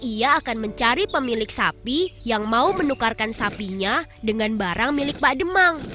ia akan mencari pemilik sapi yang mau menukarkan sapinya dengan barang milik pak demang